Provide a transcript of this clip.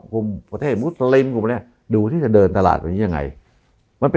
กลุ่มประเทศมุสลิมกลุ่มอันนี้ดูที่จะเดินตลาดอย่างไร